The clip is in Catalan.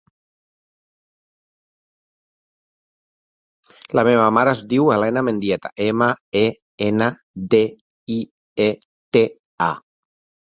La meva mare es diu Helena Mendieta: ema, e, ena, de, i, e, te, a.